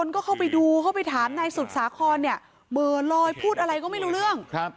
ก็เข้าไปดูเข้าไปถามนายสุดสาครเนี่ยเหม่อลอยพูดอะไรก็ไม่รู้เรื่อง